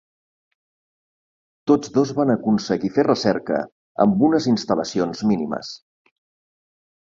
Tots dos van aconseguir fer recerca amb unes instal·lacions mínimes.